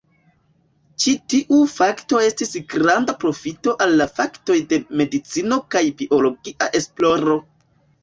Ĉi tiu fakto estis granda profito al la faktoj de medicino kaj biologia esploro.